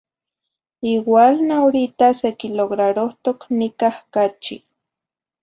Igual n ahorita sequilograrohtoc nicah cachi.